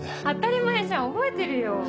当たり前じゃん覚えてるよ。